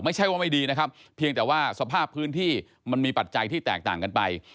ไม่ใช่ว่าไม่ดีนะครับเพียงแต่ว่าสภาพพื้นที่มันมีปัจจัยที่แตกต่างกันไป